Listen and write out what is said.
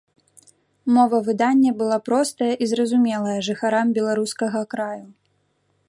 Мова выдання была простая і зразумелая жыхарам беларускага краю.